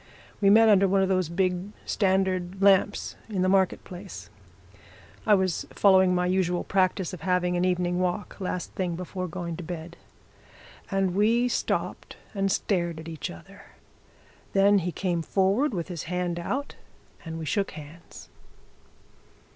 We met under one of those big standard lamps in the Market Place I was following my usual practice of having an evening walk, last thing before going to bed. And we stopped and stared at each other. Then he came forward with his hand out, and we shook hands.